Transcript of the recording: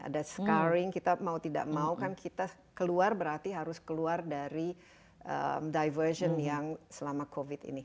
ada scaring kita mau tidak mau kan kita keluar berarti harus keluar dari diversion yang selama covid ini